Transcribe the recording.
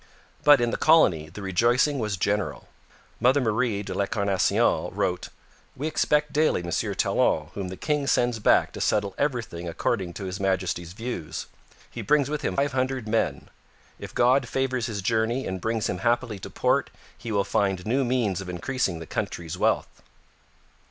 But in the colony the rejoicing was general. Mother Marie de l'Incarnation wrote: 'We expect daily M. Talon whom the king sends back to settle everything according to His Majesty's views. He brings with him five hundred men. ...If God favours his journey and brings him happily to port he will find new means of increasing the country's wealth.'